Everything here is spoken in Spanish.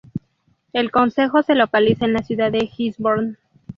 El concejo se localiza en la ciudad de Gisborne.